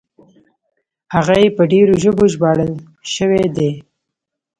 هغه یې په ډېرو ژبو ژباړل شوي دي.